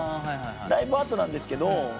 だいぶ後なんですけど。